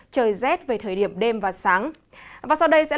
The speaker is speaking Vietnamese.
trời rét về thời điểm đêm và sáng